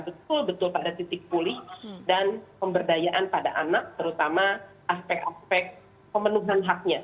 betul betul pada titik pulih dan pemberdayaan pada anak terutama aspek aspek pemenuhan haknya